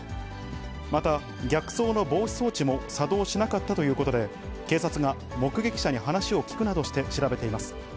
また、逆走の防止装置も作動しなかったということで、警察が目撃者に話を聴くなどして調べています。